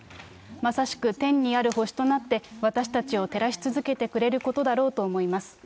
まさしく、天にある星となって、私たちを照らし続けてくれることだろうと思います。